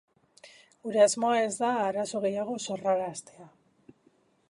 Gure asmoa ez da arazo gehiago sorraraztea.